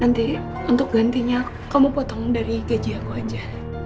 nanti untuk gantinya kamu potong dari gaji aku aja